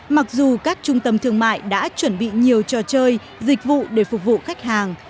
mặc dù các trung tâm thương mại đã chuẩn bị nhiều trò chơi dịch vụ để phục vụ khách hàng